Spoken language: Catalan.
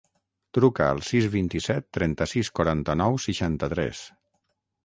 Truca al sis, vint-i-set, trenta-sis, quaranta-nou, seixanta-tres.